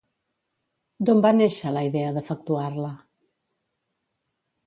D'on va néixer la idea d'efectuar-la?